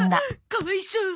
かわいそう。